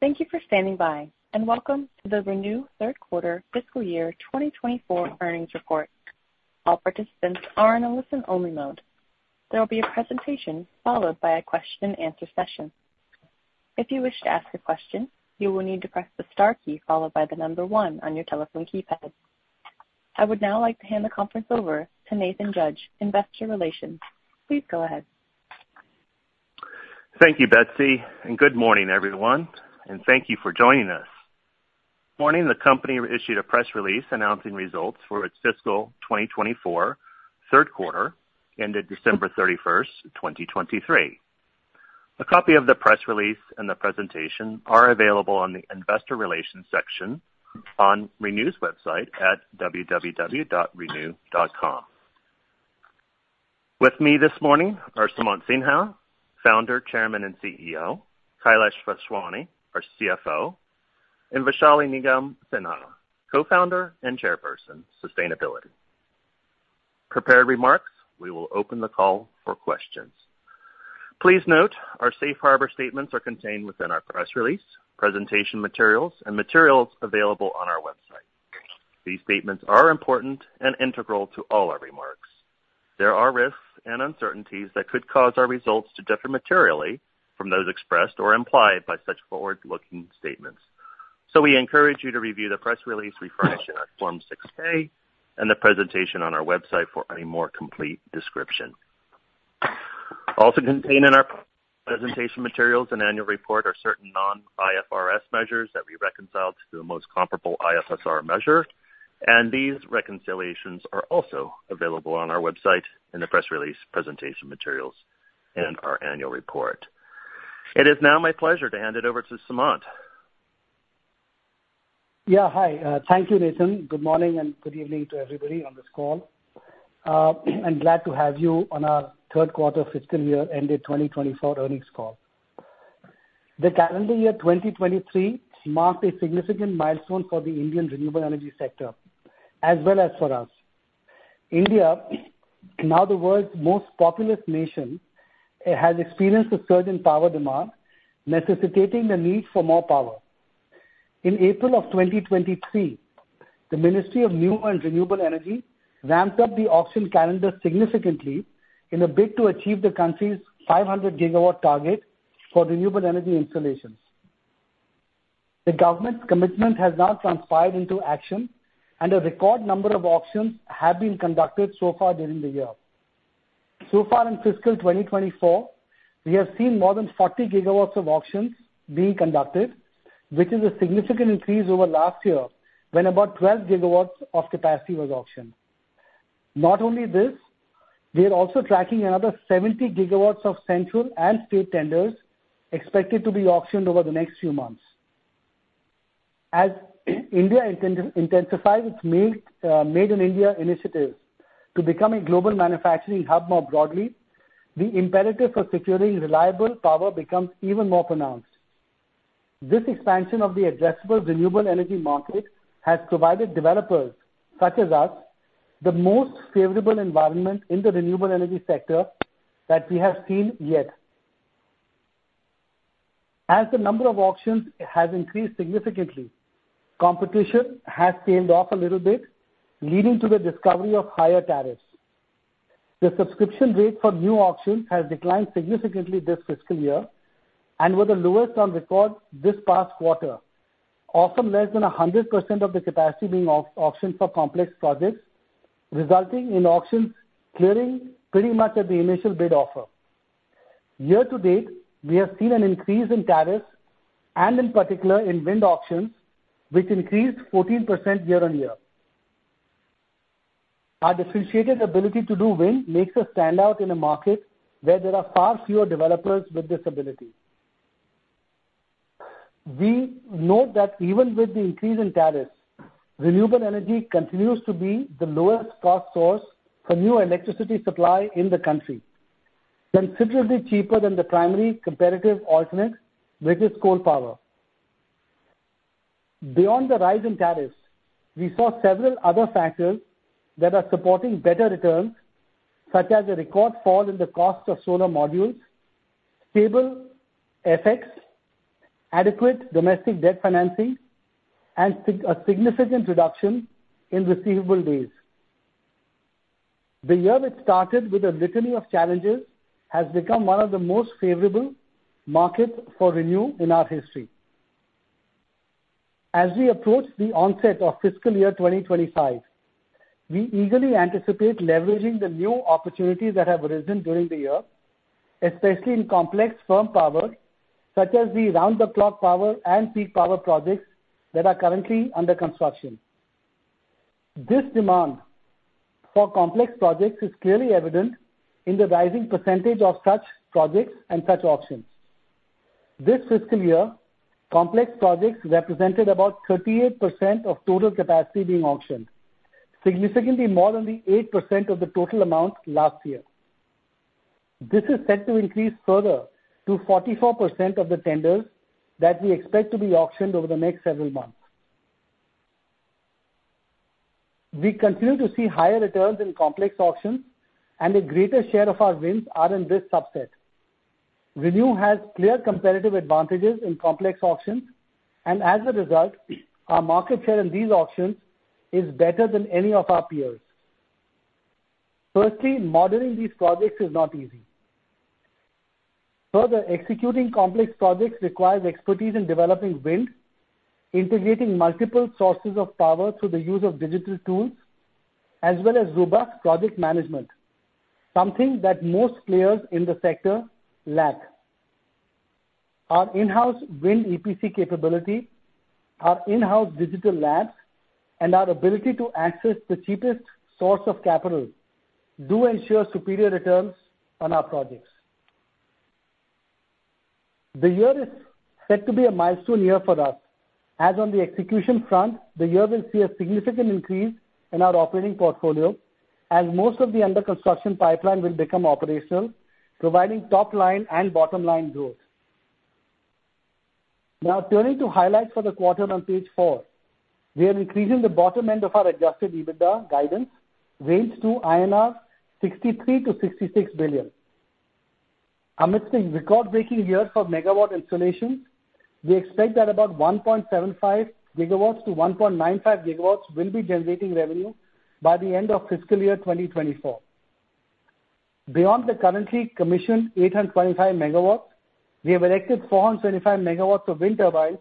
Thank you for standing by, and welcome to the ReNew third quarter fiscal year 2024 earnings report. All participants are in a listen-only mode. There will be a presentation followed by a question-and-answer session. If you wish to ask a question, you will need to press the star key followed by the number 1 on your telephone keypad. I would now like to hand the conference over to Nathan Judge, Investor Relations. Please go ahead. Thank you, Betsy, and good morning, everyone, and thank you for joining us. This morning, the company issued a press release announcing results for its fiscal 2024 third quarter, ended December 31st, 2023. A copy of the press release and the presentation are available on the Investor Relations section on ReNew's website at www.renew.com. With me this morning are Sumant Sinha, Founder, Chairman, and CEO; Kailash Vaswani, our CFO; and Vaishali Nigam Sinha, Co-founder and Chairperson, Sustainability. Prepared remarks? We will open the call for questions. Please note our safe harbor statements are contained within our press release, presentation materials, and materials available on our website. These statements are important and integral to all our remarks. There are risks and uncertainties that could cause our results to differ materially from those expressed or implied by such forward-looking statements, so we encourage you to review the press release furnishe in Form 6-K and the presentation on our website for a more complete description. Also contained in our presentation materials and annual report are certain non-IFRS measures that we reconciled to the most comparable IFRS measure, and these reconciliations are also available on our website in the press release presentation materials and our annual report. It is now my pleasure to hand it over to Sumant. Yeah, hi. Thank you, Nathan. Good morning and good evening to everybody on this call, and glad to have you on our third quarter fiscal year ended 2024 earnings call. The calendar year 2023 marked a significant milestone for the Indian renewable energy sector, as well as for us. India, now the world's most populous nation, has experienced a surge in power demand, necessitating the need for more power. In April of 2023, the Ministry of New and Renewable Energy ramped up the auction calendar significantly in a bid to achieve the country's 500 GW target for renewable energy installations. The government's commitment has now transpired into action, and a record number of auctions have been conducted so far during the year. So far in fiscal 2024, we have seen more than 40 GW of auctions being conducted, which is a significant increase over last year when about 12 GW of capacity was auctioned. Not only this, we are also tracking another 70 GW of central and state tenders expected to be auctioned over the next few months. As India intensifies its Made in India initiatives to become a global manufacturing hub more broadly, the imperative for securing reliable power becomes even more pronounced. This expansion of the addressable renewable energy market has provided developers such as us the most favorable environment in the renewable energy sector that we have seen yet. As the number of auctions has increased significantly, competition has tailed off a little bit, leading to the discovery of higher tariffs. The subscription rate for new auctions has declined significantly this fiscal year and was the lowest on record this past quarter, often less than 100% of the capacity being auctioned for complex projects, resulting in auctions clearing pretty much at the initial bid offer. Year to date, we have seen an increase in tariffs and, in particular, in wind auctions, which increased 14% year-on-year. Our differentiated ability to do wind makes us stand out in a market where there are far fewer developers with this ability. We note that even with the increase in tariffs, renewable energy continues to be the lowest cost source for new electricity supply in the country, considerably cheaper than the primary competitive alternate, which is coal power. Beyond the rise in tariffs, we saw several other factors that are supporting better returns, such as a record fall in the cost of solar modules, stable FX, adequate domestic debt financing, and a significant reduction in receivable days. The year which started with a litany of challenges has become one of the most favorable markets for ReNew in our history. As we approach the onset of fiscal year 2025, we eagerly anticipate leveraging the new opportunities that have arisen during the year, especially in complex firm power such as the round-the-clock power and peak power projects that are currently under construction. This demand for complex projects is clearly evident in the rising percentage of such projects and such auctions. This fiscal year, complex projects represented about 38% of total capacity being auctioned, significantly more than the 8% of the total amount last year. This is set to increase further to 44% of the tenders that we expect to be auctioned over the next several months. We continue to see higher returns in complex auctions, and a greater share of our wins are in this subset. ReNew has clear competitive advantages in complex auctions, and as a result, our market share in these auctions is better than any of our peers. Firstly, modeling these projects is not easy. Further, executing complex projects requires expertise in developing wind, integrating multiple sources of power through the use of digital tools, as well as robust project management, something that most players in the sector lack. Our in-house wind EPC capability, our in-house digital labs, and our ability to access the cheapest source of capital do ensure superior returns on our projects. The year is set to be a milestone year for us. As on the execution front, the year will see a significant increase in our operating portfolio, as most of the under-construction pipeline will become operational, providing top-line and bottom-line growth. Now, turning to highlights for the quarter on page 4, we are increasing the bottom end of our Adjusted EBITDA guidance range to 63 billion-66 billion INR. Amidst a record-breaking year for megawatt installations, we expect that about 1.75-1.95 gigawatts will be generating revenue by the end of fiscal year 2024. Beyond the currently commissioned 825 megawatts, we have erected 425 megawatts of wind turbines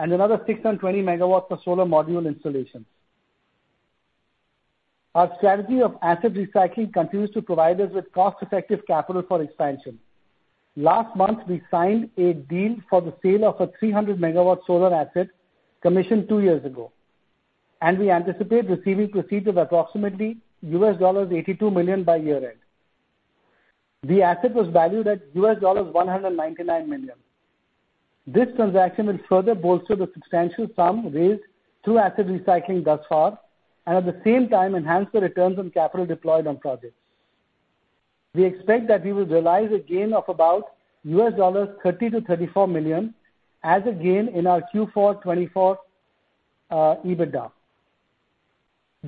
and another 620 megawatts of solar module installations. Our strategy of asset recycling continues to provide us with cost-effective capital for expansion. Last month, we signed a deal for the sale of a 300-megawatt solar asset commissioned two years ago, and we anticipate receiving proceeds of approximately $82 million by year-end. The asset was valued at $199 million. This transaction will further bolster the substantial sum raised through asset recycling thus far and, at the same time, enhance the returns on capital deployed on projects. We expect that we will realize a gain of about $30-$34 million as a gain in our Q4/2024 EBITDA.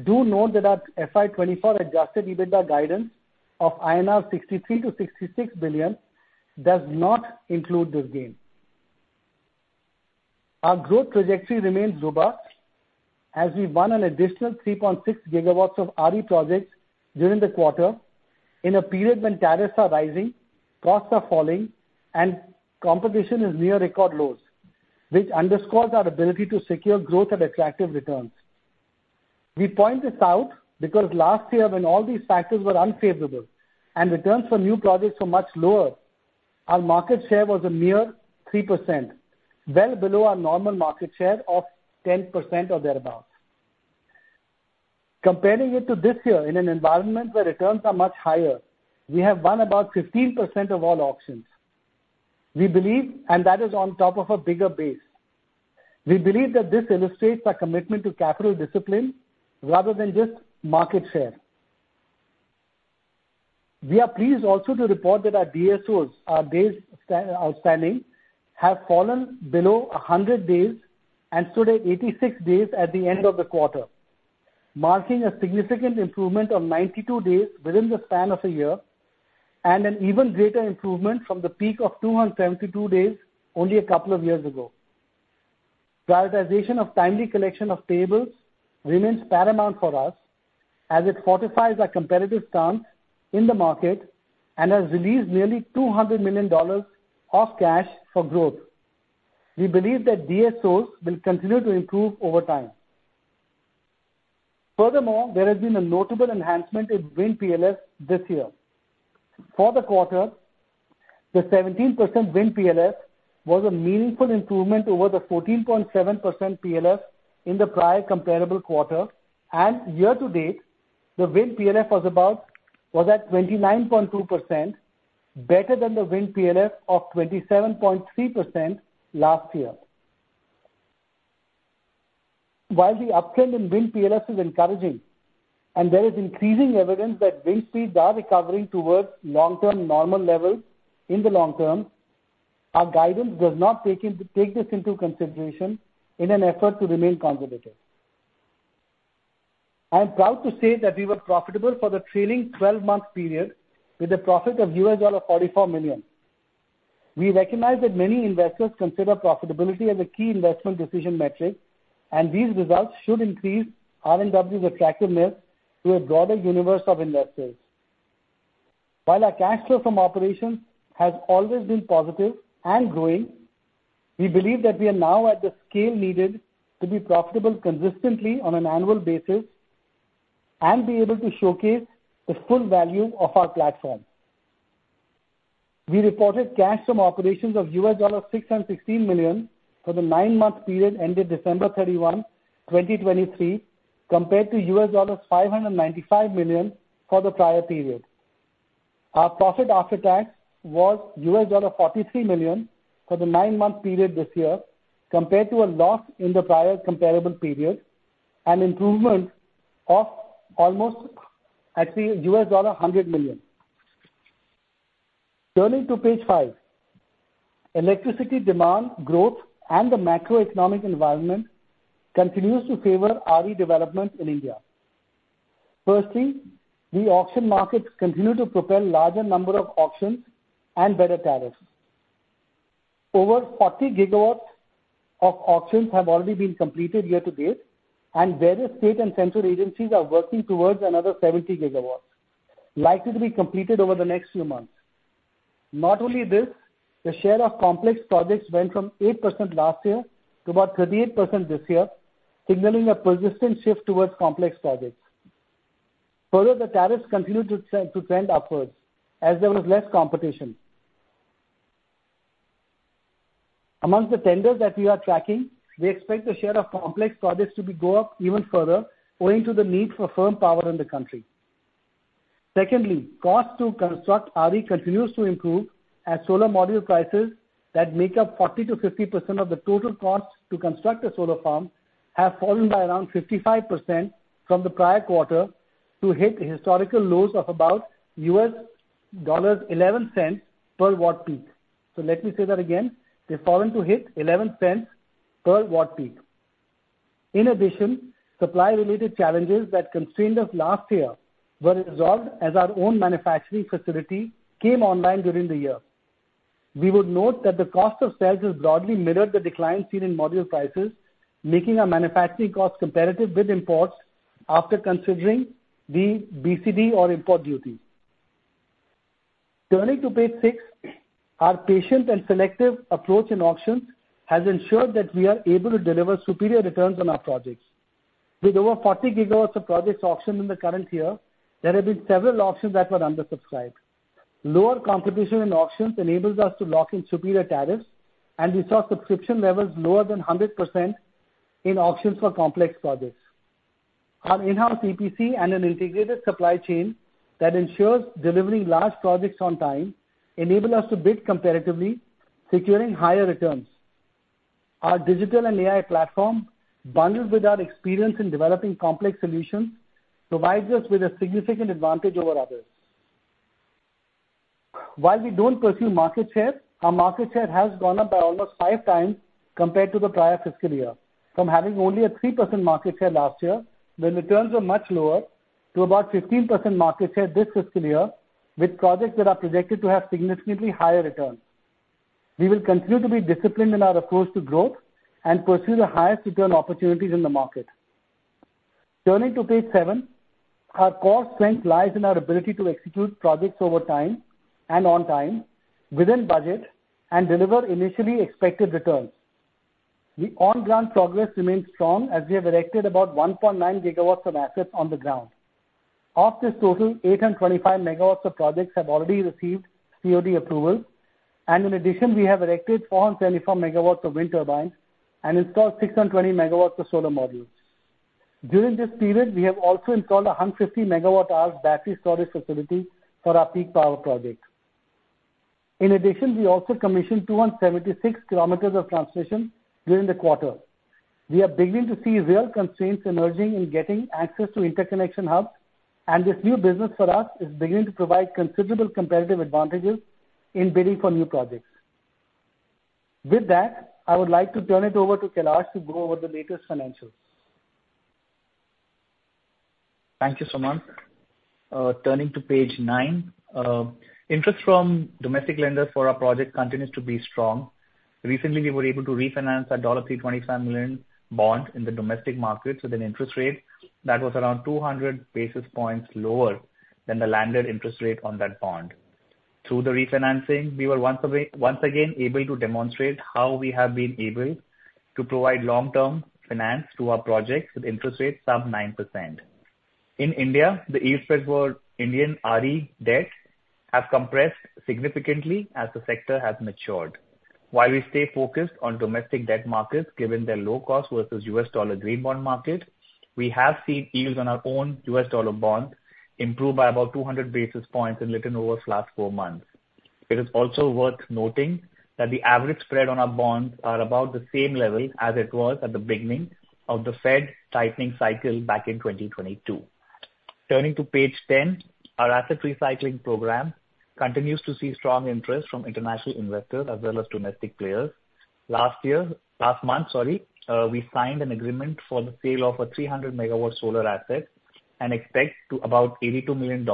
Do note that our FY2024 adjusted EBITDA guidance of INR 63-66 billion does not include this gain. Our growth trajectory remains robust as we won an additional 3.6 gigawatts of RE projects during the quarter in a period when tariffs are rising, costs are falling, and competition is near record lows, which underscores our ability to secure growth at attractive returns. We point this out because last year, when all these factors were unfavorable and returns for new projects were much lower, our market share was a mere 3%, well below our normal market share of 10% or thereabouts. Comparing it to this year, in an environment where returns are much higher, we have won about 15% of all auctions. We believe, and that is on top of a bigger base, we believe that this illustrates our commitment to capital discipline rather than just market share. We are pleased also to report that our DSOs, our Days Sales Outstanding, have fallen below 100 days and stood at 86 days at the end of the quarter, marking a significant improvement of 92 days within the span of a year and an even greater improvement from the peak of 272 days only a couple of years ago. Prioritization of timely collection of payables remains paramount for us as it fortifies our competitive stance in the market and has released nearly $200 million of cash for growth. We believe that DSOs will continue to improve over time. Furthermore, there has been a notable enhancement in wind PLF this year. For the quarter, the 17% wind PLF was a meaningful improvement over the 14.7% PLF in the prior comparable quarter, and year to date, the wind PLF was at 29.2%, better than the wind PLF of 27.3% last year. While the uptrend in wind PLF is encouraging and there is increasing evidence that wind speeds are recovering towards long-term normal levels in the long term, our guidance does not take this into consideration in an effort to remain conservative. I am proud to say that we were profitable for the trailing 12-month period with a profit of $44 million. We recognize that many investors consider profitability as a key investment decision metric, and these results should increase ReNew's attractiveness to a broader universe of investors. While our cash flow from operations has always been positive and growing, we believe that we are now at the scale needed to be profitable consistently on an annual basis and be able to showcase the full value of our platform. We reported cash from operations of $616 million for the nine-month period ended December 31, 2023, compared to $595 million for the prior period. Our profit after tax was $43 million for the nine-month period this year, compared to a loss in the prior comparable period and improvement of almost, actually, $100 million. Turning to page 5, electricity demand growth and the macroeconomic environment continues to favor RE development in India. Firstly, the auction markets continue to propel a larger number of auctions and better tariffs. Over 40 GW of auctions have already been completed year to date, and various state and central agencies are working towards another 70 GW, likely to be completed over the next few months. Not only this, the share of complex projects went from 8% last year to about 38% this year, signaling a persistent shift towards complex projects. Further, the tariffs continue to trend upwards as there was less competition. Amongst the tenders that we are tracking, we expect the share of complex projects to go up even further owing to the need for firm power in the country. Secondly, costs to construct RE continues to improve as solar module prices that make up 40%-50% of the total cost to construct a solar farm have fallen by around 55% from the prior quarter to hit historical lows of about $0.11 per watt-peak. So let me say that again. They've fallen to hit $0.11 per watt-peak. In addition, supply-related challenges that constrained us last year were resolved as our own manufacturing facility came online during the year. We would note that the cost of sales has broadly mirrored the decline seen in module prices, making our manufacturing costs competitive with imports after considering the BCD or import duties. Turning to page 6, our patient and selective approach in auctions has ensured that we are able to deliver superior returns on our projects. With over 40 GW of projects auctioned in the current year, there have been several auctions that were undersubscribed. Lower competition in auctions enables us to lock in superior tariffs, and we saw subscription levels lower than 100% in auctions for complex projects. Our in-house EPC and an integrated supply chain that ensures delivering large projects on time enable us to bid competitively, securing higher returns. Our digital and AI platform, bundled with our experience in developing complex solutions, provides us with a significant advantage over others. While we don't pursue market share, our market share has gone up by almost 5 times compared to the prior fiscal year. From having only a 3% market share last year, when returns were much lower, to about 15% market share this fiscal year with projects that are projected to have significantly higher returns. We will continue to be disciplined in our approach to growth and pursue the highest return opportunities in the market. Turning to page 7, our core strength lies in our ability to execute projects on time and on budget, and deliver initially expected returns. The on-ground progress remains strong as we have erected about 1.9 GW of assets on the ground. Of this total, 825 MW of projects have already received COD approvals. In addition, we have erected 424 MW of wind turbines and installed 620 MW of solar modules. During this period, we have also installed a 150 MWh battery storage facility for our peak power project. In addition, we also commissioned 276 km of transmission during the quarter. We are beginning to see real constraints emerging in getting access to interconnection hubs, and this new business for us is beginning to provide considerable competitive advantages in bidding for new projects. With that, I would like to turn it over to Kailash to go over the latest financials. Thank you, Sumant. Turning to page 9, interest from domestic lenders for our project continues to be strong. Recently, we were able to refinance a $325 million bond in the domestic market with an interest rate that was around 200 basis points lower than the landed interest rate on that bond. Through the refinancing, we were once again able to demonstrate how we have been able to provide long-term finance to our projects with interest rates sub 9%. In India, the spread for Indian RE debt has compressed significantly as the sector has matured. While we stay focused on domestic debt markets given their low cost versus USD green bond market, we have seen yields on our own USD bonds improve by about 200 basis points in little over the last 4 months. It is also worth noting that the average spread on our bonds is about the same level as it was at the beginning of the Fed tightening cycle back in 2022. Turning to page 10, our asset recycling program continues to see strong interest from international investors as well as domestic players. Last month, sorry, we signed an agreement for the sale of a 300-MW solar asset and expect about $82 million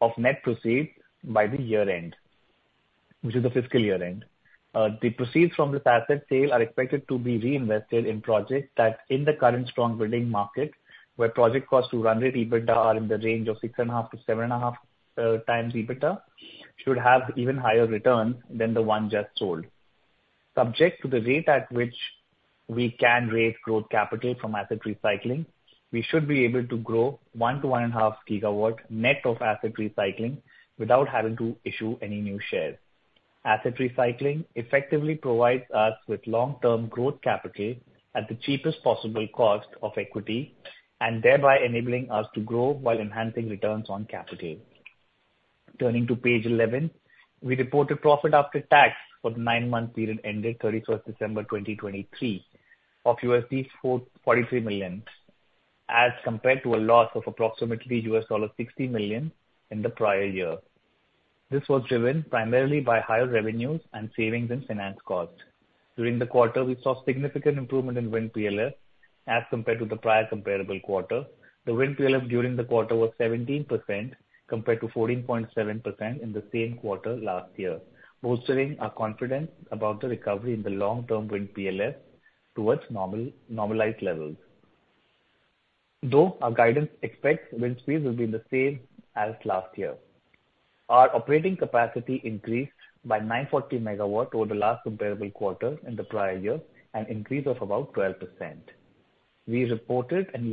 of net proceeds by the year-end, which is the fiscal year-end. The proceeds from this asset sale are expected to be reinvested in projects that, in the current strong bidding market, where project costs to run rate EBITDA are in the range of 6.5x-7.5x EBITDA, should have even higher returns than the one just sold. Subject to the rate at which we can raise growth capital from asset recycling, we should be able to grow 1-1.5 GW net of asset recycling without having to issue any new shares. Asset recycling effectively provides us with long-term growth capital at the cheapest possible cost of equity and thereby enabling us to grow while enhancing returns on capital. Turning to page 11, we reported profit after tax for the nine-month period ended 31st December 2023 of $43 million as compared to a loss of approximately $60 million in the prior year. This was driven primarily by higher revenues and savings in finance costs. During the quarter, we saw significant improvement in wind PLF as compared to the prior comparable quarter. The wind PLF during the quarter was 17% compared to 14.7% in the same quarter last year, bolstering our confidence about the recovery in the long-term wind PLF towards normalized levels. Though our guidance expects wind speeds will be the same as last year, our operating capacity increased by 940 MW over the last comparable quarter in the prior year and increased of about 12%. We reported an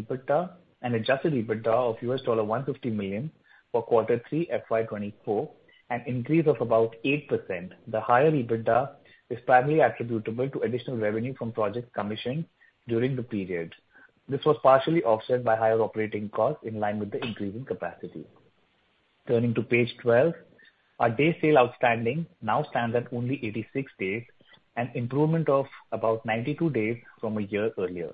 adjusted EBITDA of $150 million for quarter 3 FY24 and increased of about 8%. The higher EBITDA is primarily attributable to additional revenue from projects commissioned during the period. This was partially offset by higher operating costs in line with the increasing capacity. Turning to page 12, our Days Sales Outstanding now stands at only 86 days, an improvement of about 92 days from a year earlier.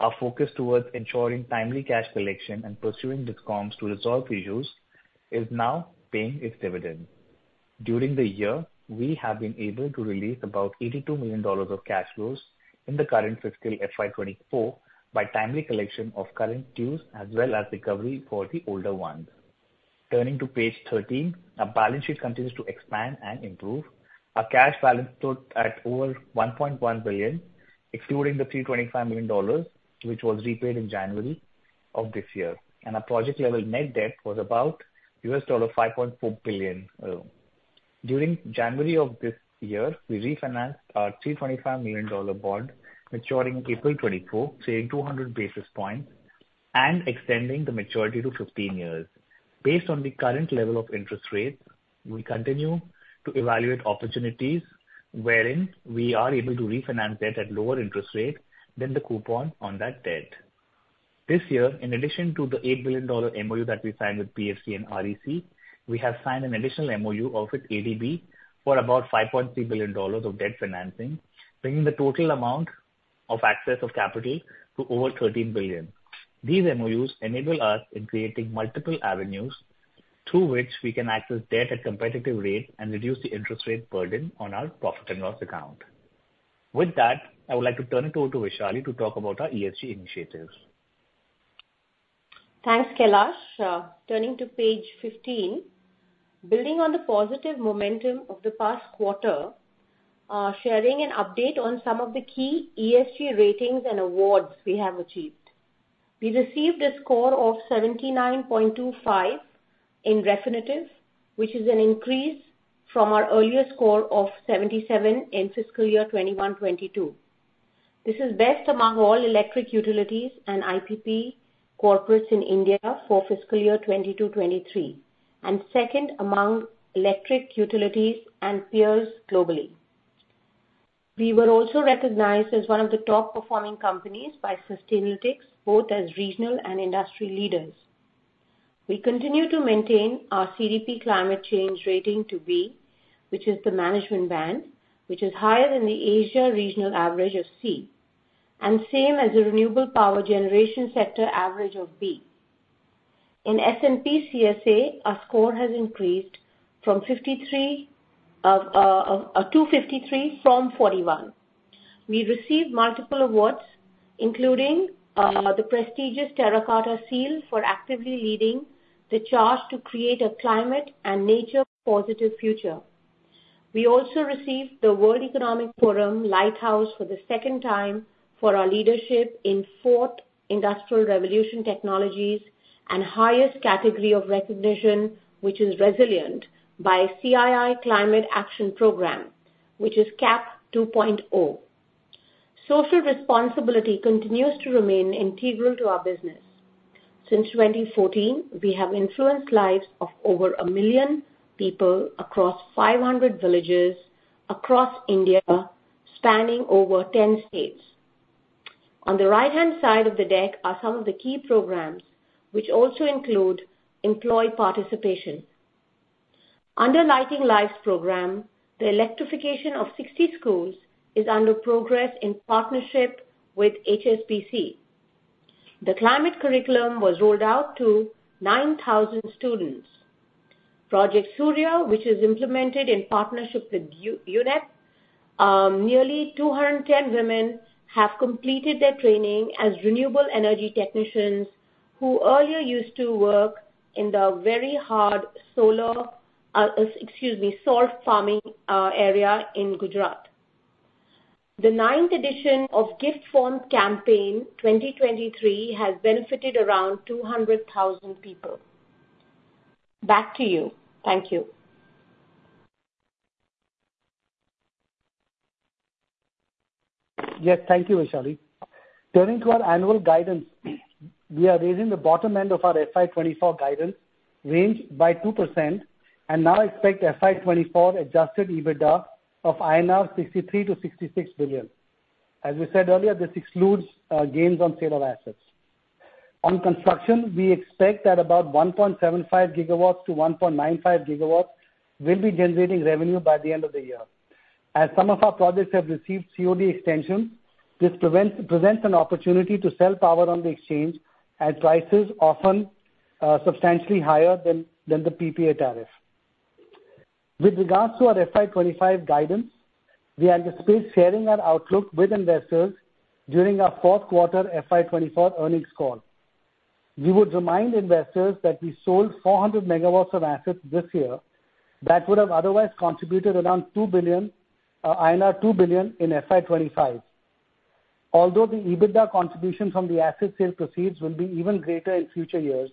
Our focus towards ensuring timely cash collection and pursuing discounts to resolve issues is now paying its dividend. During the year, we have been able to release about $82 million of cash flows in the current fiscal FY24 by timely collection of current dues as well as recovery for the older ones. Turning to page 13, our balance sheet continues to expand and improve. Our cash balance stood at over $1.1 billion, excluding the $325 million, which was repaid in January of this year. Our project-level net debt was about $5.4 billion. During January of this year, we refinanced our $325 million bond, maturing in April 2024, saving 200 basis points and extending the maturity to 15 years. Based on the current level of interest rates, we continue to evaluate opportunities wherein we are able to refinance debt at lower interest rates than the coupon on that debt. This year, in addition to the $8 billion MOU that we signed with PFC and REC, we have signed an additional MOU with ADB for about $5.3 billion of debt financing, bringing the total amount of access to capital to over $13 billion. These MOUs enable us in creating multiple avenues through which we can access debt at competitive rates and reduce the interest rate burden on our profit and loss account. With that, I would like to turn it over to Vaishali to talk about our ESG initiatives. Thanks, Kailash. Turning to page 15, building on the positive momentum of the past quarter, sharing an update on some of the key ESG ratings and awards we have achieved. We received a score of 79.25 in Refinitiv, which is an increase from our earlier score of 77 in fiscal year 2021-22. This is best among all electric utilities and IPP corporates in India for fiscal year 2022-23 and second among electric utilities and peers globally. We were also recognized as one of the top-performing companies by Sustainalytics, both as regional and industry leaders. We continue to maintain our CDP climate change rating to B, which is the management band, which is higher than the Asia regional average of C, and same as the renewable power generation sector average of B. In S&P CSA, our score has increased from to 53 from 41. We received multiple awards, including the prestigious Terra Carta Seal for actively leading the charge to create a climate and nature-positive future. We also received the World Economic Forum Lighthouse for the second time for our leadership in Fourth Industrial Revolution technologies and highest category of recognition, which is Resilient, by CII Climate Action Programme, which is CAP 2.0. Social responsibility continues to remain integral to our business. Since 2014, we have influenced lives of over 1 million people across 500 villages across India, spanning over 10 states. On the right-hand side of the deck are some of the key programs, which also include employee participation. Under Lighting Lives Program, the electrification of 60 schools is under progress in partnership with HSBC. The climate curriculum was rolled out to 9,000 students. Project Surya, which is implemented in partnership with UNEP. Nearly 210 women have completed their training as renewable energy technicians who earlier used to work in the very hard salt farming area in Gujarat. The ninth edition of Gift Warmth Campaign 2023 has benefited around 200,000 people. Back to you. Thank you. Yes, thank you, Vaishali. Turning to our annual guidance, we are raising the bottom end of our FY24 guidance range by 2% and now expect FY24 Adjusted EBITDA of 63 billion-66 billion INR. As we said earlier, this excludes gains on sale of assets. On construction, we expect that about 1.75 GW-1.95 GW will be generating revenue by the end of the year. As some of our projects have received COD extensions, this presents an opportunity to sell power on the exchange at prices often substantially higher than the PPA tariff. With regards to our FY25 guidance, we anticipate sharing our outlook with investors during our fourth quarter FY24 earnings call. We would remind investors that we sold 400 MW of assets this year that would have otherwise contributed around 2 billion in FY25, although the EBITDA contribution from the asset sale proceeds will be even greater in future years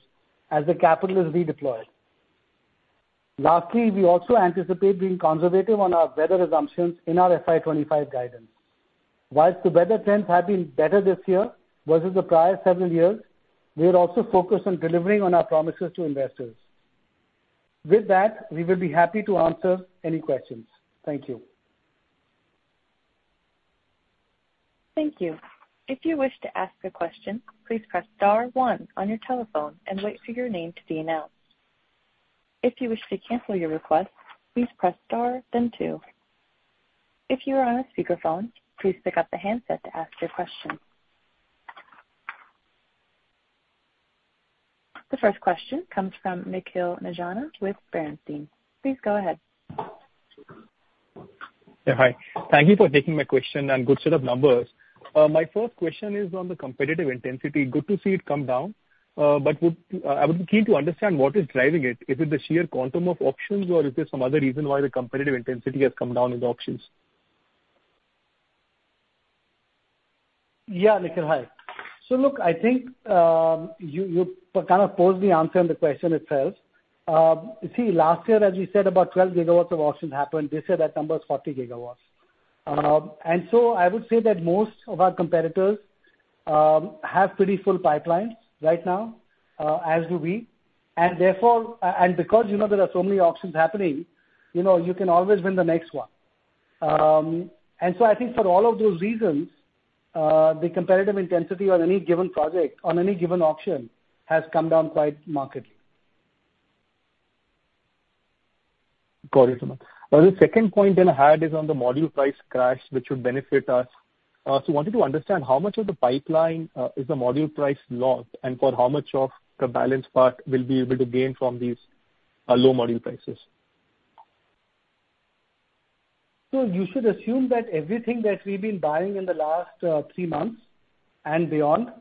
as the capital is redeployed. Lastly, we also anticipate being conservative on our weather assumptions in our FY25 guidance. While the weather trends have been better this year versus the prior several years, we are also focused on delivering on our promises to investors. With that, we will be happy to answer any questions. Thank you. Thank you. If you wish to ask a question, please press star 1 on your telephone and wait for your name to be announced. If you wish to cancel your request, please press star, then 2. If you are on a speakerphone, please pick up the handset to ask your question. The first question comes from Nikhil Nigania with Bernstein. Please go ahead. Hi. Thank you for taking my question and good set of numbers. My first question is on the competitive intensity. Good to see it come down, but I would be keen to understand what is driving it. Is it the sheer quantum of options, or is there some other reason why the competitive intensity has come down in the options? Yeah, Nikhil, hi. So look, I think you kind of posed the answer on the question itself. See, last year, as we said, about 12 GW of options happened. This year, that number is 40 GW. And so I would say that most of our competitors have pretty full pipelines right now, as do we. And because there are so many options happening, you can always win the next one. And so I think for all of those reasons, the competitive intensity on any given project, on any given auction, has come down quite markedly. Got it, Sumant. The second point then I had is on the module price crash, which would benefit us. So I wanted to understand how much of the pipeline is the module price lost, and for how much of the balance part will be able to gain from these low module prices? So you should assume that everything that we've been buying in the last three months and beyond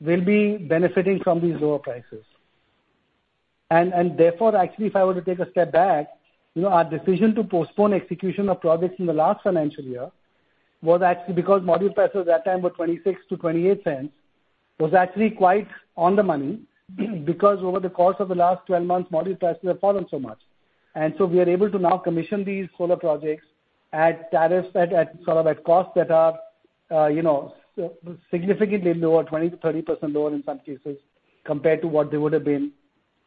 will be benefiting from these lower prices. Therefore, actually, if I were to take a step back, our decision to postpone execution of projects in the last financial year was actually because module prices at that time were $0.26-$0.28, was actually quite on the money because over the course of the last 12 months, module prices have fallen so much. So we are able to now commission these solar projects at tariffs, at costs that are significantly lower, 20%-30% lower in some cases compared to what they would have been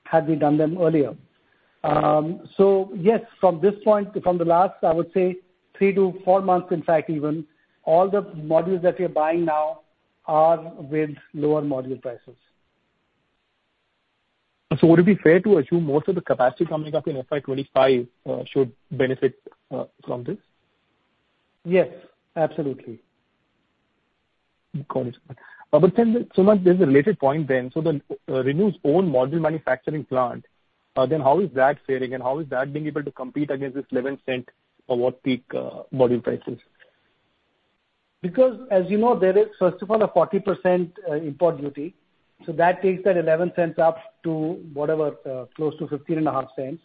had we done them earlier. So yes, from this point, from the last, I would say, 3-4 months, in fact, even, all the modules that we are buying now are with lower module prices. So would it be fair to assume most of the capacity coming up in FY25 should benefit from this? Yes, absolutely. Got it. But then, Sumant, there's a related point then. So ReNew's own module manufacturing plant, then how is that faring, and how is that being able to compete against this $0.11 watt-peak module prices? Because as you know, there is, first of all, a 40% import duty. So that takes that $0.11 up to whatever close to $0.155.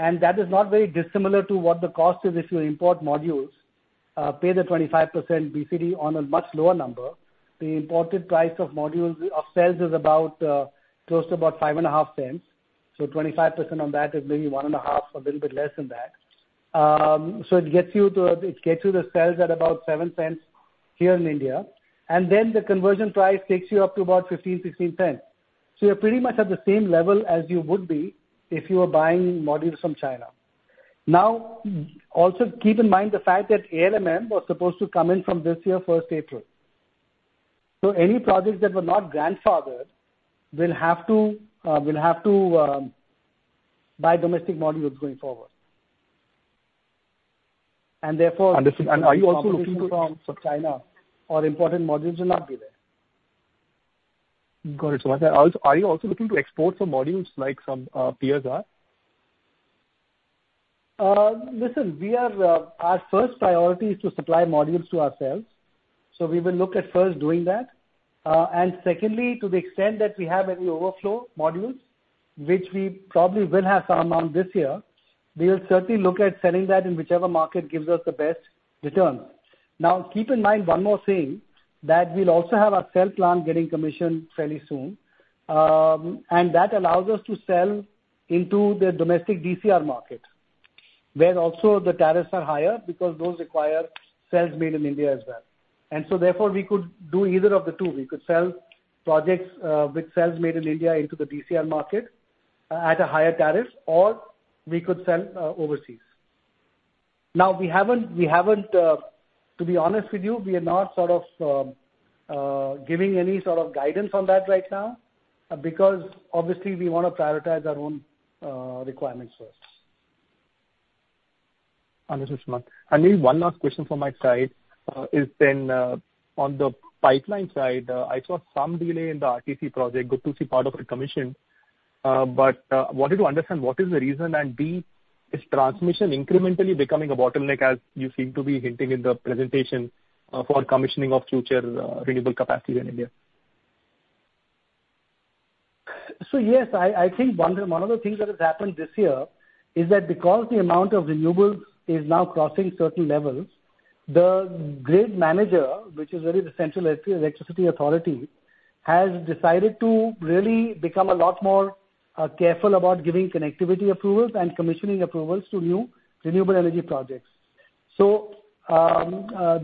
And that is not very dissimilar to what the cost is if you import modules, pay the 25% BCD on a much lower number. The imported price of cells is close to about $0.055. So 25% on that is maybe $0.015, a little bit less than that. So it gets you the cells at about $0.07 here in India. And then the conversion price takes you up to about $0.15-$0.16. So you're pretty much at the same level as you would be if you were buying modules from China. Now, also keep in mind the fact that ALMM was supposed to come in from this year, 1st April. So any projects that were not grandfathered will have to buy domestic modules going forward. And therefore. And are you also looking to. Modules from China or imported modules will not be there? Got it. Are you also looking to export some modules like some peers are? Listen, our first priority is to supply modules to ourselves. So we will look at first doing that. And secondly, to the extent that we have any overflow modules, which we probably will have some amount this year, we will certainly look at selling that in whichever market gives us the best returns. Now, keep in mind one more thing, that we'll also have our cell plant getting commissioned fairly soon. And that allows us to sell into the domestic DCR market, where also the tariffs are higher because those require cells made in India as well. And so therefore, we could do either of the two. We could sell projects with cells made in India into the DCR market at a higher tariff, or we could sell overseas. Now, we haven't to be honest with you, we are not sort of giving any sort of guidance on that right now because obviously, we want to prioritize our own requirements first. Understood, Sumant. And maybe one last question from my side is then on the pipeline side, I saw some delay in the RTC project, got to see part of it commissioned. But I wanted to understand what is the reason. And B, is transmission incrementally becoming a bottleneck, as you seem to be hinting in the presentation, for commissioning of future renewable capacity in India? So yes, I think one of the things that has happened this year is that because the amount of renewables is now crossing certain levels, the grid manager, which is really the Central Electricity Authority, has decided to really become a lot more careful about giving connectivity approvals and commissioning approvals to new renewable energy projects. So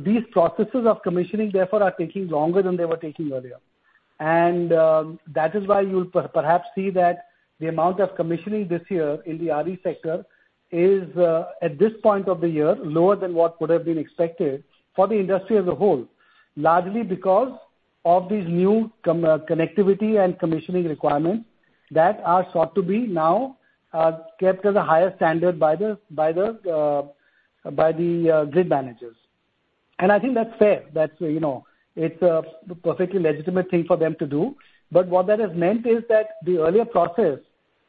these processes of commissioning, therefore, are taking longer than they were taking earlier. That is why you'll perhaps see that the amount of commissioning this year in the RE sector is, at this point of the year, lower than what would have been expected for the industry as a whole, largely because of these new connectivity and commissioning requirements that are sought to be now kept as a higher standard by the grid managers. And I think that's fair. It's a perfectly legitimate thing for them to do. But what that has meant is that the earlier process,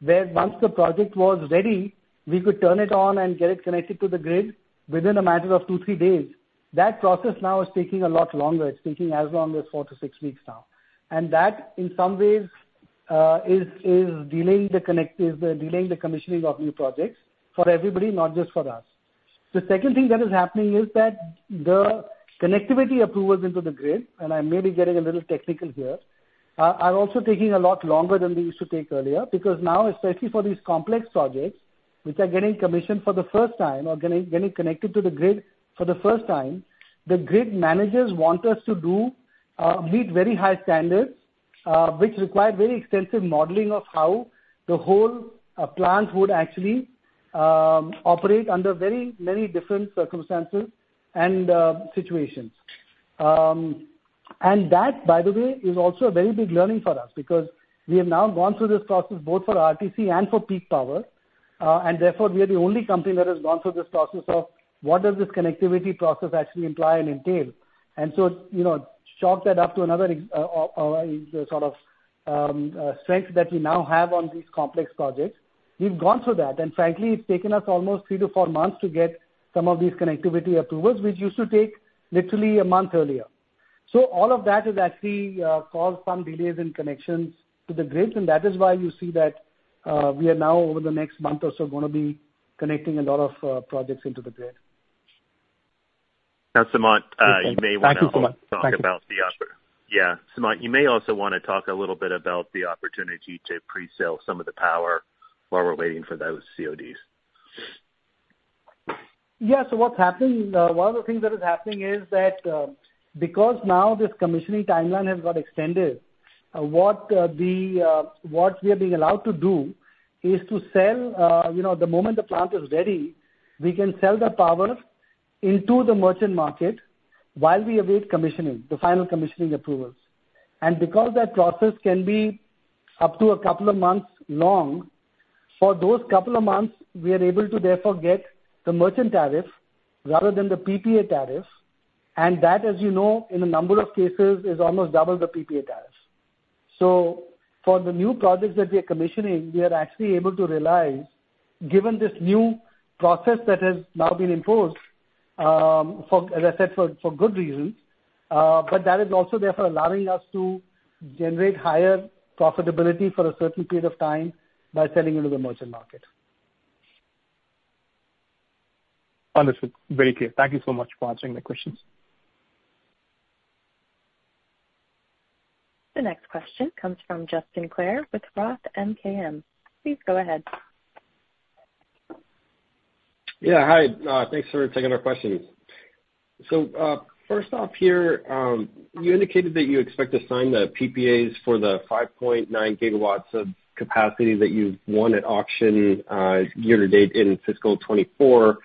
where once the project was ready, we could turn it on and get it connected to the grid within a matter of 2-3 days, that process now is taking a lot longer. It's taking as long as 4-6 weeks now. And that, in some ways, is delaying the commissioning of new projects for everybody, not just for us. The second thing that is happening is that the connectivity approvals into the grid, and I may be getting a little technical here, are also taking a lot longer than they used to take earlier because now, especially for these complex projects, which are getting commissioned for the first time or getting connected to the grid for the first time, the grid managers want us to meet very high standards, which require very extensive modeling of how the whole plant would actually operate under very many different circumstances and situations. And that, by the way, is also a very big learning for us because we have now gone through this process both for RTC and for Peak Power. And therefore, we are the only company that has gone through this process of what does this connectivity process actually imply and entail. It chalked that up to another sort of strength that we now have on these complex projects. We've gone through that. Frankly, it's taken us almost 3-4 months to get some of these connectivity approvals, which used to take literally a month earlier. All of that has actually caused some delays in connections to the grids. That is why you see that we are now, over the next month or so, going to be connecting a lot of projects into the grid. Now, Sumant, you may want to. Thank you so much. Talk about the yeah. Sumant, you may also want to talk a little bit about the opportunity to presale some of the power while we're waiting for those CODs. Yeah. So, what's happening? One of the things that is happening is that because now this commissioning timeline has got extended, what we are being allowed to do is to sell the moment the plant is ready. We can sell the power into the merchant market while we await commissioning, the final commissioning approvals. And because that process can be up to a couple of months long, for those couple of months, we are able to therefore get the merchant tariff rather than the PPA tariff. And that, as you know, in a number of cases, is almost double the PPA tariff. So for the new projects that we are commissioning, we are actually able to rely, given this new process that has now been imposed, as I said, for good reasons. But that is also therefore allowing us to generate higher profitability for a certain period of time by selling into the merchant market. Understood. Very clear. Thank you so much for answering my questions. The next question comes from Justin Clare with Roth MKM. Please go ahead. Yeah, hi. Thanks for taking our questions. So first off here, you indicated that you expect to sign the PPAs for the 5.9 GW of capacity that you've won at auction year to date in fiscal 2024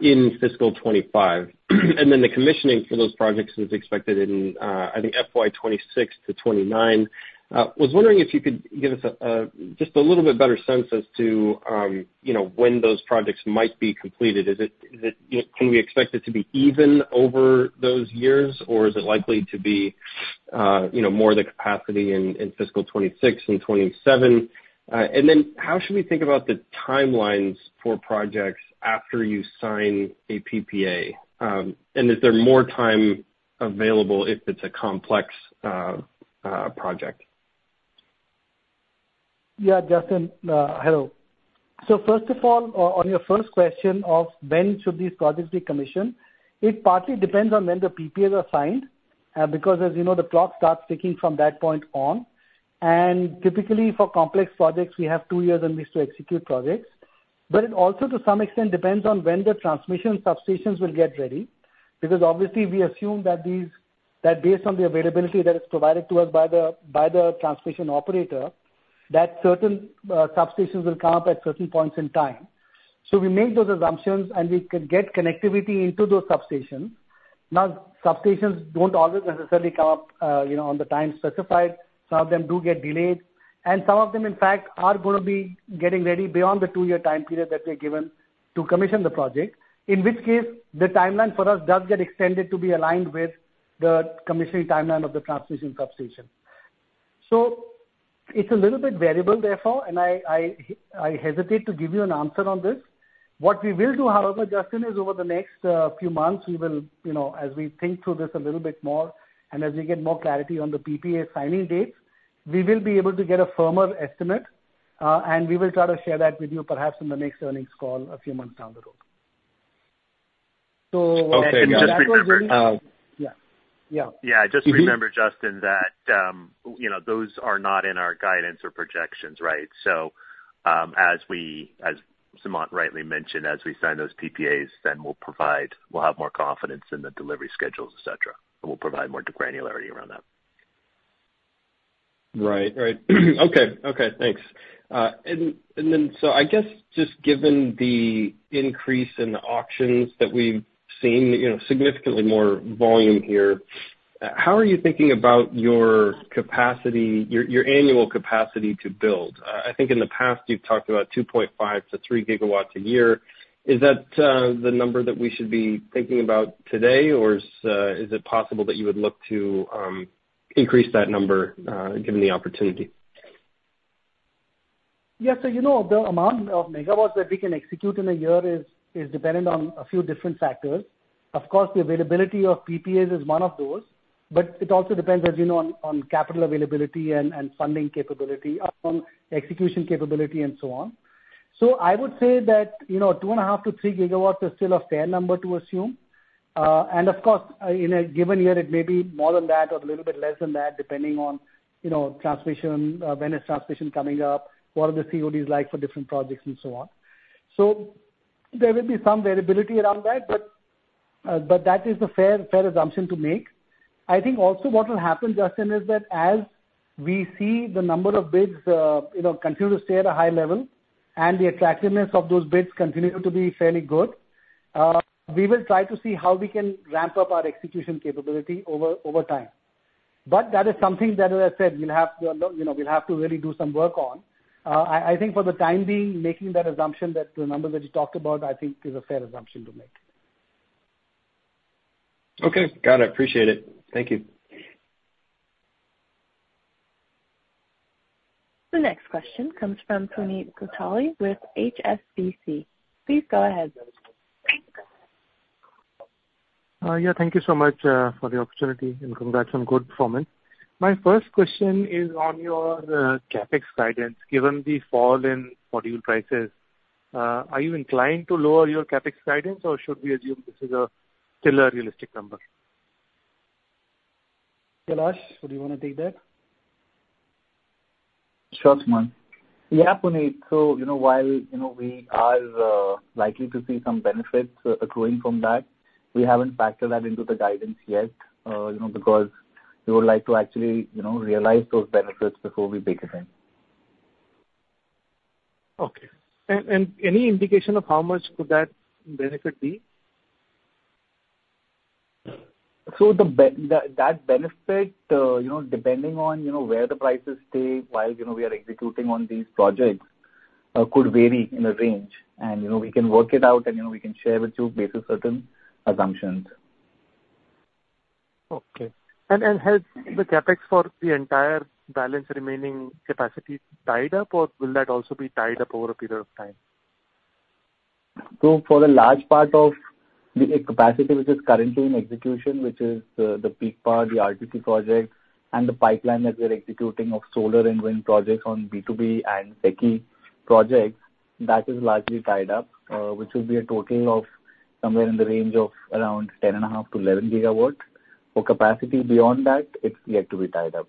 in fiscal 2025. And then the commissioning for those projects is expected in, I think, FY2026 to 2029. I was wondering if you could give us just a little bit better sense as to when those projects might be completed. Can we expect it to be even over those years, or is it likely to be more of the capacity in fiscal 2026 and 2027? And then how should we think about the timelines for projects after you sign a PPA? And is there more time available if it's a complex project? Yeah, Justin. Hello. So first of all, on your first question of when should these projects be commissioned, it partly depends on when the PPAs are signed because, as you know, the clock starts ticking from that point on. And typically, for complex projects, we have 2 years and we used to execute projects. But it also, to some extent, depends on when the transmission substations will get ready because obviously, we assume that based on the availability that is provided to us by the transmission operator, that certain substations will come up at certain points in time. So we make those assumptions, and we can get connectivity into those substations. Now, substations don't always necessarily come up on the time specified. Some of them do get delayed. And some of them, in fact, are going to be getting ready beyond the two-year time period that we are given to commission the project, in which case the timeline for us does get extended to be aligned with the commissioning timeline of the transmission substation. So it's a little bit variable, therefore. And I hesitate to give you an answer on this. What we will do, however, Justin, is over the next few months, as we think through this a little bit more and as we get more clarity on the PPA signing dates, we will be able to get a firmer estimate. And we will try to share that with you perhaps in the next earnings call a few months down the road. So that was really. Yeah. Yeah. Yeah. Just remember, Justin, that those are not in our guidance or projections, right? So as Sumant rightly mentioned, as we sign those PPAs, then we'll have more confidence in the delivery schedules, etc. And we'll provide more granularity around that. Right. Right. Okay. Okay. Thanks. Then so I guess just given the increase in the auctions that we've seen, significantly more volume here, how are you thinking about your annual capacity to build? I think in the past, you've talked about 2.5-3 gigawatts a year. Is that the number that we should be thinking about today, or is it possible that you would look to increase that number given the opportunity? Yeah. So the amount of megawatts that we can execute in a year is dependent on a few different factors. Of course, the availability of PPAs is one of those. But it also depends, as you know, on capital availability and funding capability, execution capability, and so on. So I would say that 2.5-3 gigawatts is still a fair number to assume. And of course, in a given year, it may be more than that or a little bit less than that, depending on when is transmission coming up, what are the CODs like for different projects, and so on. So there will be some variability around that. But that is a fair assumption to make. I think also what will happen, Justin, is that as we see the number of bids continue to stay at a high level and the attractiveness of those bids continue to be fairly good, we will try to see how we can ramp up our execution capability over time. But that is something that, as I said, we'll have to really do some work on. I think for the time being, making that assumption that the number that you talked about, I think, is a fair assumption to make. Okay. Got it. Appreciate it. Thank you. The next question comes from Puneet Gulati with HSBC. Please go ahead. Yeah. Thank you so much for the opportunity, and congrats on good performance. My first question is on your CapEx guidance. Given the fall in module prices, are you inclined to lower your CapEx guidance, or should we assume this is a still a realistic number? Kailash, would you want to take that? Sure, Sumant. Yeah, Puneet. So while we are likely to see some benefits accruing from that, we haven't factored that into the guidance yet because we would like to actually realize those benefits before we pick it in. Okay. And any indication of how much could that benefit be? So that benefit, depending on where the prices stay while we are executing on these projects, could vary in a range. And we can work it out, and we can share with you based on certain assumptions. Okay. And has the CapEx for the entire balance remaining capacity tied up, or will that also be tied up over a period of time? So for the large part of the capacity which is currently in execution, which is the Peak Power, the RTC project, and the pipeline that we are executing of solar and wind projects on B2B and SECI projects, that is largely tied up, which would be a total of somewhere in the range of around 10.5-11 gigawatts. For capacity beyond that, it's yet to be tied up.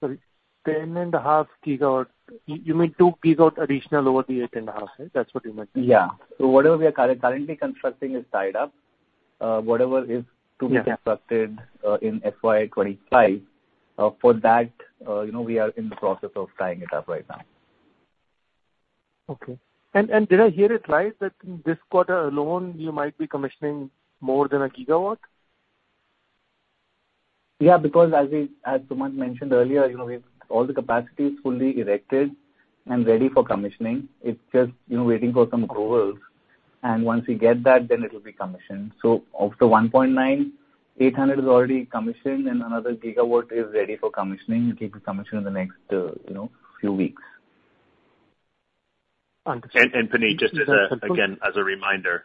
Sorry. 10.5 GW. You mean 2 GW additional over the 8.5, right? That's what you meant. Yeah. So whatever we are currently constructing is tied up. Whatever is to be constructed in FY25, for that, we are in the process of tying it up right now. Okay. And did I hear it right that in this quarter alone, you might be commissioning more than 1 GW? Yeah. Because as Sumant mentioned earlier, all the capacity is fully erected and ready for commissioning. It's just waiting for some approvals. And once we get that, then it will be commissioned. So of the 1.9, 800 is already commissioned, and another 1 GW is ready for commissioning. It will be commissioned in the next few weeks. Understood. And Puneet, just again, as a reminder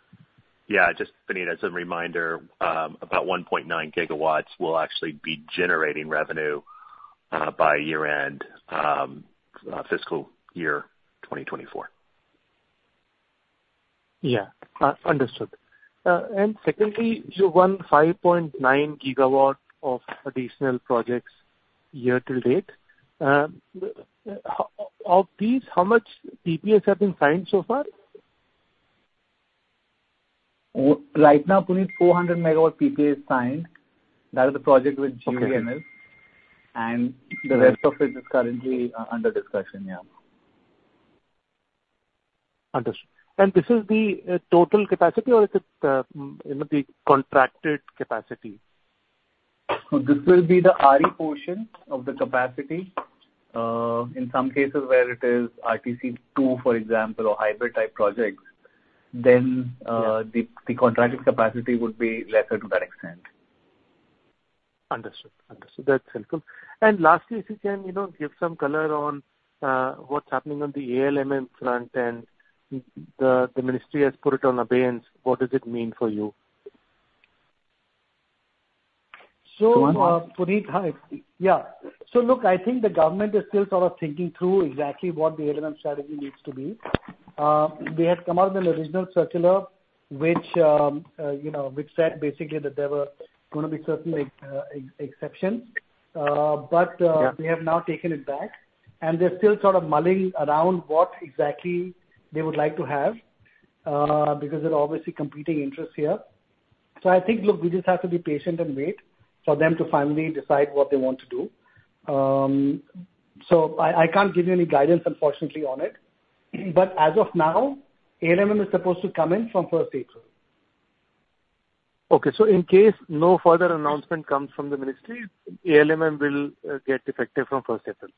yeah, just Puneet, as a reminder, about 1.9 gigawatts will actually be generating revenue by year-end, fiscal year 2024. Yeah. Understood. And secondly, you won 5.9 gigawatt of additional projects year to date. Of these, how much PPAs have been signed so far? Right now, Puneet, 400 megawatt PPA is signed. That is the project with MS. And the rest of it is currently under discussion. Yeah. Understood. And this is the total capacity, or is it the contracted capacity? So this will be the RE portion of the capacity. In some cases where it is RTC2, for example, or hybrid-type projects, then the contracted capacity would be lesser to that extent. Understood. Understood. That's helpful. And lastly, if you can give some color on what's happening on the ALMM front and the ministry has put it in abeyance, what does it mean for you? So. Sumant? Puneet, hi. Yeah. So look, I think the government is still sort of thinking through exactly what the ALMM strategy needs to be. We had come out with an original circular which said basically that there were going to be certain exceptions. But we have now taken it back. And they're still sort of mulling around what exactly they would like to have because there are obviously competing interests here. So I think, look, we just have to be patient and wait for them to finally decide what they want to do. So I can't give you any guidance, unfortunately, on it. But as of now, ALMM is supposed to come in from 1st April. Okay. So in case no further announcement comes from the ministry, ALMM will get effective from 1st April?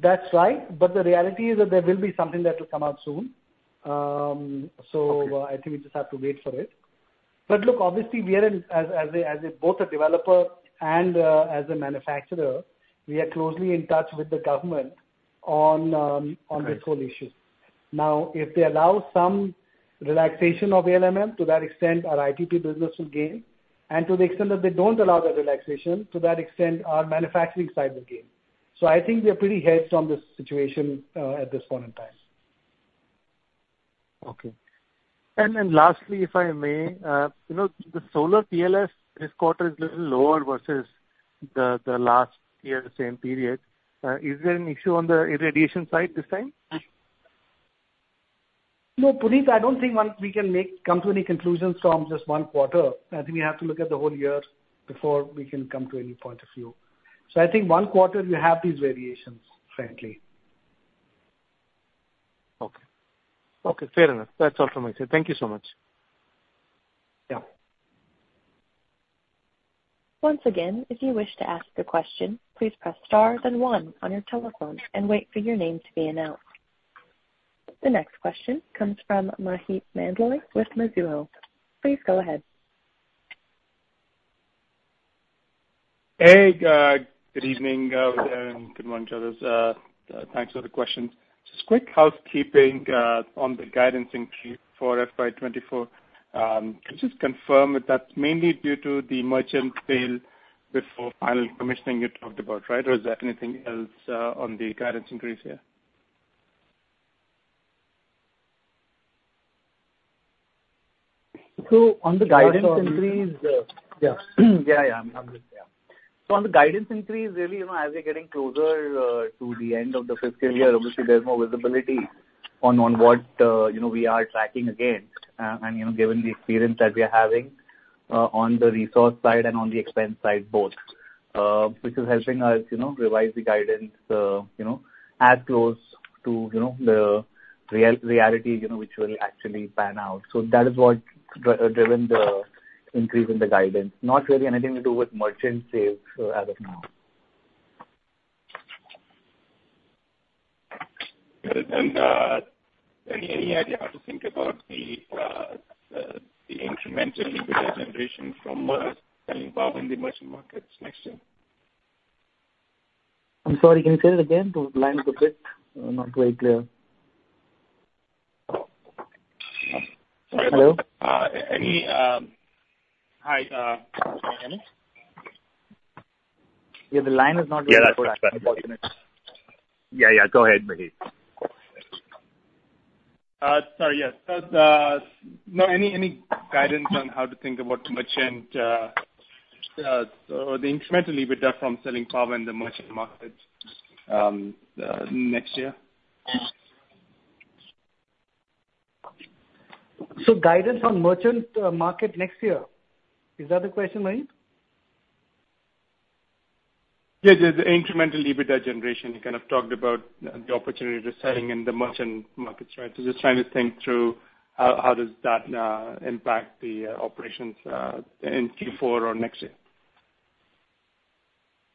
That's right. But the reality is that there will be something that will come out soon. So I think we just have to wait for it. But look, obviously, as both a developer and as a manufacturer, we are closely in touch with the government on this whole issue. Now, if they allow some relaxation of ALMM, to that extent, our IPP business will gain. And to the extent that they don't allow that relaxation, to that extent, our manufacturing side will gain. So I think we are pretty hedged on this situation at this point in time. Okay. And then lastly, if I may, the solar PLF this quarter is a little lower versus the last year, same period. Is there an issue on the irradiation side this time? No, Puneet, I don't think we can come to any conclusions from just one quarter. I think we have to look at the whole year before we can come to any point of view. So I think one quarter, you have these variations, frankly. Okay. Okay. Fair enough. That's all from me, sir. Thank you so much. Yeah. Once again, if you wish to ask a question, please press star, then 1 on your telephone, and wait for your name to be announced. The next question comes from Maheep Mandloi with Mizuho. Please go ahead. Hey. Good evening, everyone. Good morning, Kailash. Thanks for the questions. Just quick housekeeping on the guidance increase for FY24. Could you just confirm that that's mainly due to the merchant sale before final commissioning you talked about, right? Or is there anything else on the guidance increase here? So on the guidance increase. Yeah. Yeah. Yeah. I'm just yeah. So on the guidance increase, really, as we're getting closer to the end of the fiscal year, obviously, there's more visibility on what we are tracking against and given the experience that we are having on the resource side and on the expense side, both, which is helping us revise the guidance as close to the reality which will actually pan out. So that is what's driven the increase in the guidance, not really anything to do with merchant sales as of now. Got it. And any idea how to think about the incremental liquidity generation from selling power in the emerging markets next year? I'm sorry. Can you say that again? The line is a bit not very clear. Hello? Hi. Can you hear me? Yeah. The line is not really good, unfortunately. Yeah. Yeah. Go ahead, Maheep. Sorry. Yeah. So no, any guidance on how to think about the incremental liquidity from selling power in the merchant market next year? So guidance on merchant market next year. Is that the question, Maheep? Yeah. The incremental liquidity generation. You kind of talked about the opportunity to sell in the merchant markets, right? So just trying to think through how does that impact the operations in Q4 or next year.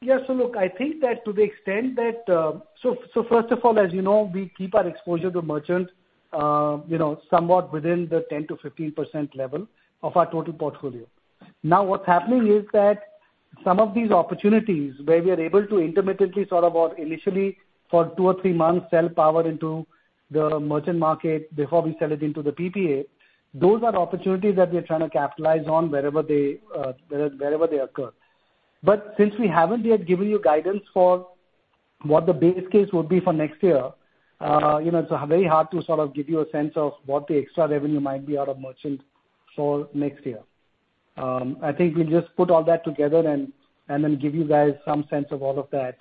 Yeah. So look, I think that to the extent that so first of all, as you know, we keep our exposure to merchants somewhat within the 10%-15% level of our total portfolio. Now, what's happening is that some of these opportunities where we are able to intermittently sort of or initially for two or three months sell power into the merchant market before we sell it into the PPA, those are opportunities that we are trying to capitalize on wherever they occur. But since we haven't yet given you guidance for what the base case would be for next year, it's very hard to sort of give you a sense of what the extra revenue might be out of merchants for next year. I think we'll just put all that together and then give you guys some sense of all of that,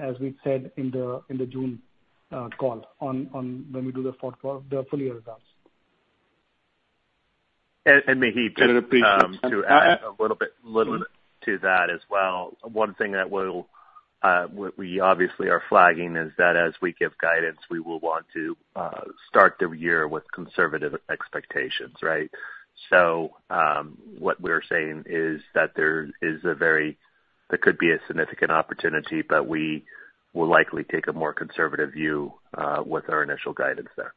as we'd said in the June call when we do the full year results. And Maheep, just. And I'd appreciate you adding a little bit to that as well. One thing that we obviously are flagging is that as we give guidance, we will want to start the year with conservative expectations, right? So what we're saying is that there could be a significant opportunity, but we will likely take a more conservative view with our initial guidance there.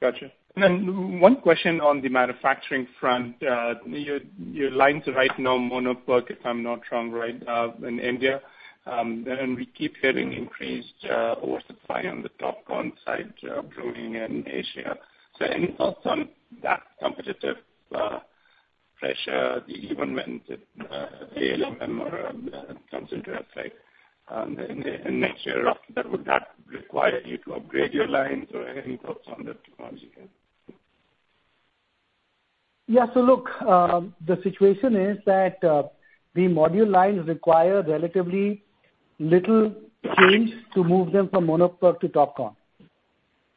Gotcha. And then one question on the manufacturing front. Your line's right now, Mono PERC, if I'm not wrong, right, in India. And we keep hearing increased oversupply on the TOPCon side growing in Asia. So any thoughts on that competitive pressure, even when ALMM comes into effect in next year? Would that require you to upgrade your lines or any thoughts on the technology here? Yeah. So look, the situation is that the module lines require relatively little change to move them from Mono PERC to TOPCon,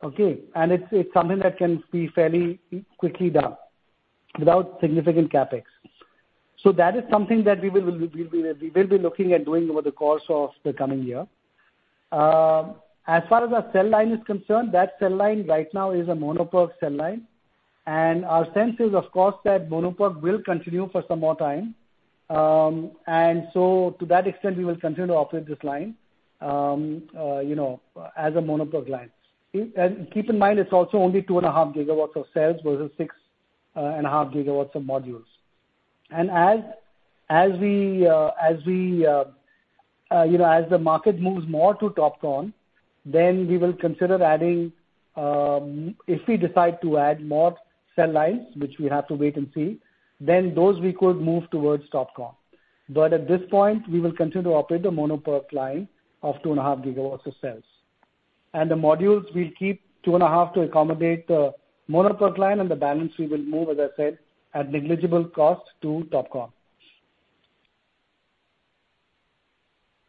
okay? And it's something that can be fairly quickly done without significant CapEx. So that is something that we will be looking at doing over the course of the coming year. As far as our cell line is concerned, that cell line right now is a Mono PERC cell line. And our sense is, of course, that Mono PERC will continue for some more time. And so to that extent, we will continue to operate this line as a Mono PERC line. Keep in mind, it's also only 2.5 GW of cells versus 6.5 GW of modules. And as the market moves more to TOPCon, then we will consider adding if we decide to add more cell lines, which we have to wait and see, then those we could move towards TOPCon. At this point, we will continue to operate the Mono PERC line of 2.5 GW of cells. The modules, we'll keep 2.5 to accommodate the Mono PERC line. The balance, we will move, as I said, at negligible cost to TOPCon.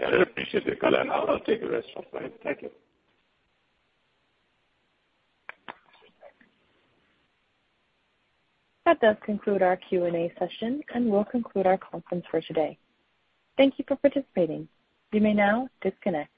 Yeah. I appreciate the call, Anunay. I'll take the rest of it. Thank you. That does conclude our Q&A session, and we'll conclude our conference for today. Thank you for participating. You may now disconnect.